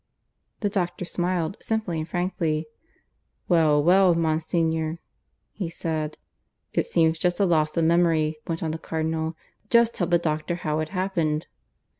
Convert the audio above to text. The doctor smiled, simply and frankly. "Well, well, Monsignor," he said. "It seems just a loss of memory," went on the Cardinal. "Just tell the doctor how it happened."